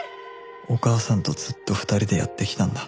お母さんとずっと２人でやってきたんだ